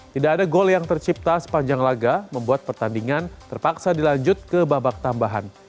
tidak ada gol yang tercipta sepanjang laga membuat pertandingan terpaksa dilanjut ke babak tambahan